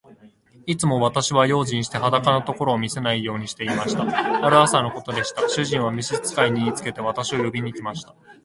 いつも私は用心して、裸のところを見せないようにしていました。ある朝のことでした。主人は召使に言いつけて、私を呼びに来ました。